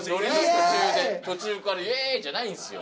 途中から「イェイ！」じゃないんすよ